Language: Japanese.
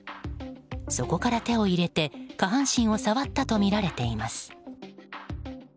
そこから手を入れて下半身を触ったとみられています。